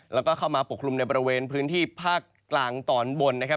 แล้วก็เข้ามาปกคลุมในบริเวณพื้นที่ภาคกลางตอนบนนะครับ